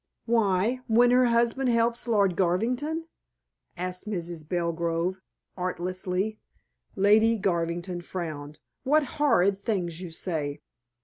"Why, when her husband helps Lord Garvington?" asked Mrs. Belgrove artlessly. Lady Garvington frowned. "What horrid things you say."